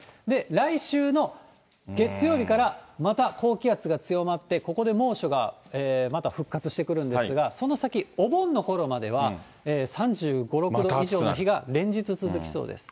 来週の月曜日から、また高気圧が強まって、ここで猛暑がまた復活してくるんですが、その先、お盆のころまでは、３５、６度以上の日が連日続きそうです。